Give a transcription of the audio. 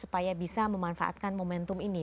supaya bisa memanfaatkan momentum ini